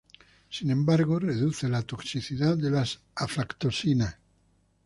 Sin embargo, reduce la toxicidad de las aflatoxinas.